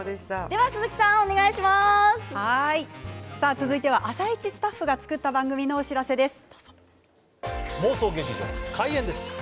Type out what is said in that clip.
続いては「あさイチ」スタッフが作った番組のお知らせです。